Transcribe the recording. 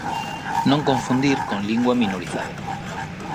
Non confundir con lingua minorizada.